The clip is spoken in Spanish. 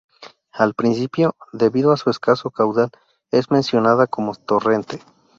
Al principio, debido a su escaso caudal, es mencionada como torrente.